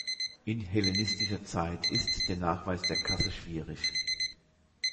In hellenistischer Zeit ist der Nachweis der Kasse schwierig.